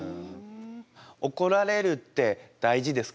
怒られるって大事ですか？